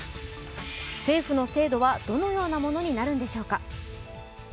政府の制度はどのようなものになるのでしょうか。